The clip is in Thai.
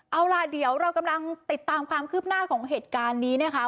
เอาล่ะเดี๋ยวเรากำลังติดตามความคืบหน้าของเหตุการณ์นี้นะคะ